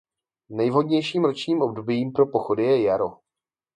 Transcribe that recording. Nejvhodnějším ročním obdobím pro pochody je jaro.